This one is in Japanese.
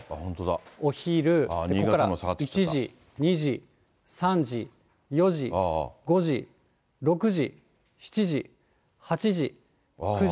お昼、それから、１時、２時、３時、４時、５時、６時、７時、８時、９時。